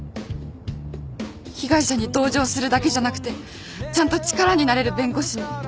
被害者に同情するだけじゃなくてちゃんと力になれる弁護士に。